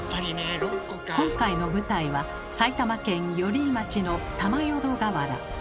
今回の舞台は埼玉県寄居町の玉淀河原。